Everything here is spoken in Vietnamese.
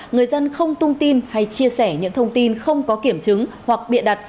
người dân không tung tin hay chia sẻ những thông tin không có kiểm chứng hoặc bịa đặt